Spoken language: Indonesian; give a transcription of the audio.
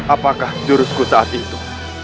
apakah jurusku saat itu